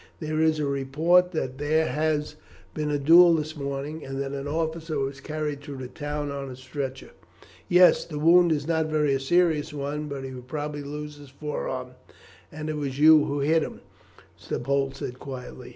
There is a report that there has been a duel this morning, and that an officer was carried through the town on a stretcher." "Yes. The wound is not a very serious one, but he will probably lose his forearm." "And it was you who hit him," the Pole said quietly.